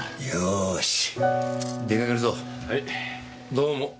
どうも。